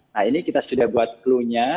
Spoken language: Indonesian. nah ini kita sudah buat klunya